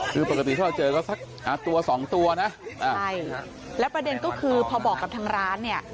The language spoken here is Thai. คือปกติถ้าเราเจอก็สักตัวสองตัวนะใช่แล้วประเด็นก็คือพอบอกกับทางร้านเนี่ย